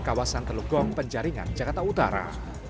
kawasan teluk gong penjaringan jakarta utara